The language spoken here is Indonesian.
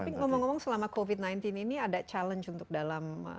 tapi ngomong ngomong selama covid sembilan belas ini ada challenge untuk dalam